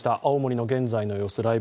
青森の現在の様子